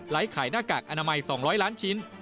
ขายหน้ากากอนามัย๒๐๐ล้านชิ้น